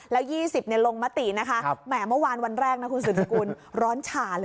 แล้ว๒๐ลงมตินะคะแหมเมื่อวานวันแรกนะคุณสืบสกุลร้อนฉ่าเลย